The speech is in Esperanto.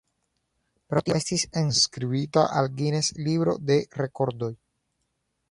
Pro tio estis enskribita al Guinness-libro de rekordoj.